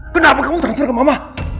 kenapa kamu tercil ke mama